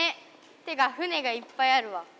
てか船がいっぱいあるわ。